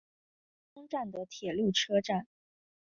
滨松站的铁路车站。